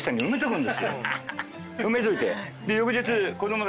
埋めといて。